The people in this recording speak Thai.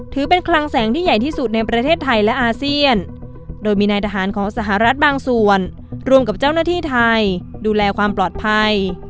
ถือเป็นคลังแสงที่ใหญ่ที่สุดในประเทศไทยและอาเซียนโดยมีนายทหารของสหรัฐบางส่วนรวมกับเจ้าหน้าที่ไทยดูแลความปลอดภัย